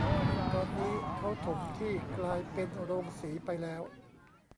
ตอนนี้เค้าถมที่กลายเป็นโรงสีไปแล้ว